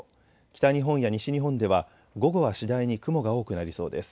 北日本や西日本では午後は次第に雲が多くなりそうです。